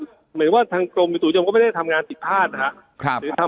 หมายถึงว่าทางกรมอยู่ตรุฯยมก็ไม่ได้ทำงานติดพลาดนะคะ